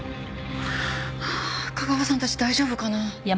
ああ架川さんたち大丈夫かな？